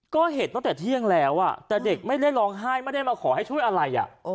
ก็เห็นตั้งแต่เที่ยงแล้วแต่เด็กไม่ได้ร้องไห้ไม่ได้มาขอให้ช่วยอะไร